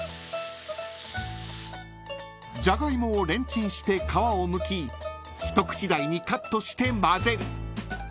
［ジャガイモをレンチンして皮をむき一口大にカットしてまぜる］